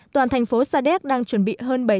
toàn thành phố sa đéc đang chuẩn bị